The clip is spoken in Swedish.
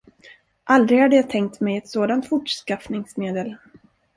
Aldrig hade jag tänkt mig ett sådant fortskaffningsmedel.